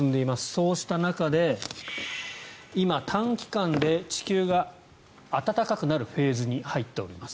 そうした中で今、短期間で地球が暖かくなるフェーズに入っております。